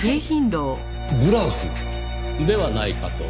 ブラフ？ではないかと。